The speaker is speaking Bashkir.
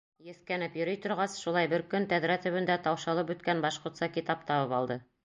Еҫкәнеп йөрөй торғас, шулай бер көн тәҙрә төбөндә таушалып бөткән башҡортса китап табып алды.